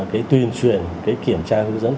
cái tuyên truyền cái kiểm tra hướng dẫn